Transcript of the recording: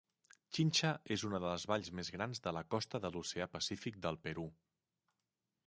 Chincha és una de les valls més grans de la costa de l'Oceà Pacífic del Perú.